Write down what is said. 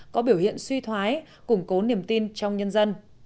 có biểu hiện suy thoái củng cố niềm tin trong nhân dân